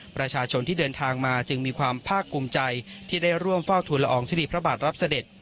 ประชาชนที่เดินทางมาจึงมีความภาคภูมิใจที่ได้ร่วมเฝ้าทุนละอองทุลีพระบาทรับเสด็จ